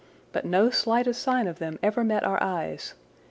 But no slightest sign of them ever met our eyes.